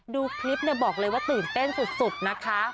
ดูคลิปเนี่ยบอกเลยว่าตื่นเต้นสุดนะคะ